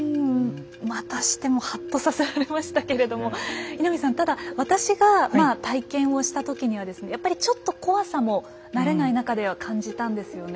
またしてもはっとさせられましたけれども稲見さんただ私が体験をした時にはやっぱりちょっと怖さも慣れない中では感じたんですよね。